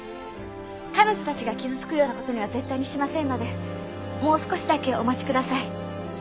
彼女たちが傷つくようなことには絶対にしませんのでもう少しだけお待ちください。